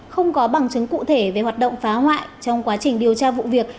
không có bằng chứng cụ thể về hoạt động phá hoại trong quá trình điều tra vụ việc